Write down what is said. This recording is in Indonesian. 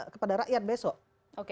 kepada rakyat besok